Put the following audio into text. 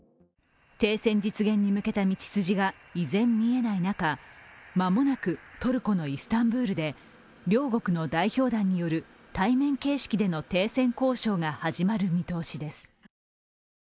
停戦実現に向けた道筋が依然見えない中、間もなくトルコのイスタンブールで両国の代表団による対面形式での停戦交渉が始まる見通しです。